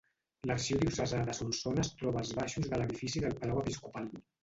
L'Arxiu Diocesà de Solsona es troba als baixos de l'edifici del Palau Episcopal.